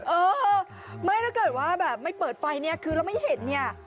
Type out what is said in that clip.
เออไม่ถ้าเกิดว่าแบบไม่เปิดไฟเนี่ยคือเราไม่เห็นเนี่ย